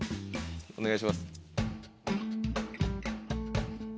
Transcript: お願いします。